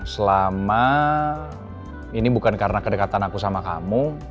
selama ini bukan karena kedekatan aku sama kamu